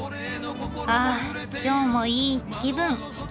あ今日もいい気分。